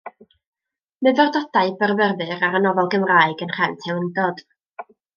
Myfyrdodau byrfyfyr ar y nofel Gymraeg, yn nhrefn teilyngdod.